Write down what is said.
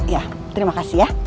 ya terima kasih ya